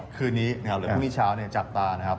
คืนนี้หรือพรุ่งนี้เช้าจับตานะครับ